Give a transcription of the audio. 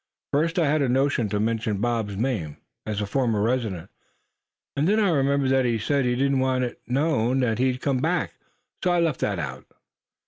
"First, I had a notion to mention Bob's name, as a former resident; and then I remembered that he said he didn't want it known he'd come back. So I left that out."